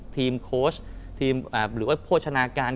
ทีมโค้ชหรือว่าโภชนาการ